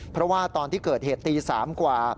เพราะว่าตอนที่เกิดเหตุตี๓กว่า